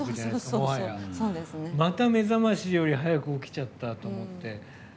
もはや、また目覚ましより早く起きちゃったと思って。